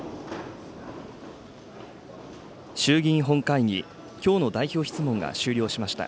衆議院本会議、きょうの代表問題が終了しました。